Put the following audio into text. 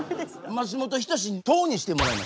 「松本人志と」にしてもらいました。